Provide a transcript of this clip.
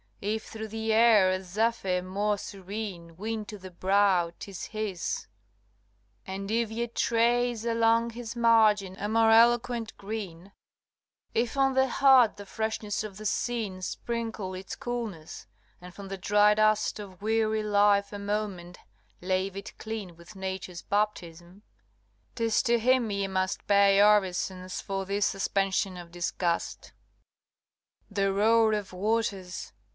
If through the air a zephyr more serene Win to the brow, 'tis his; and if ye trace Along his margin a more eloquent green, If on the heart the freshness of the scene Sprinkle its coolness, and from the dry dust Of weary life a moment lave it clean With Nature's baptism, 'tis to him ye must Pay orisons for this suspension of disgust. LXIX. The roar of waters!